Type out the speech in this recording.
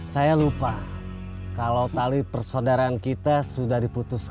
saya lupa kalau tali persaudaraan kita sudah diputuskan